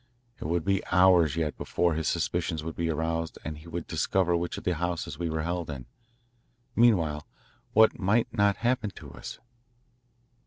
It would be hours yet before his suspicions would be aroused and he would discover which of the houses we were held in. Meanwhile what might not happen to us?